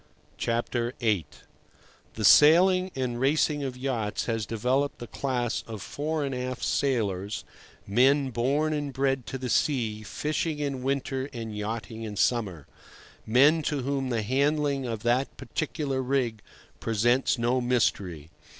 VIII. The sailing and racing of yachts has developed a class of fore and aft sailors, men born and bred to the sea, fishing in winter and yachting in summer; men to whom the handling of that particular rig presents no mystery.